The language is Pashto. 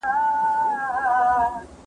انا خپل لاسونه د ماشوم په سر په مینه کېښودل.